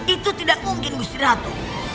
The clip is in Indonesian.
itu tidak mungkin gusti ratu